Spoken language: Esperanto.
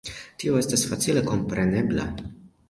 Tio estas facile komprenebla.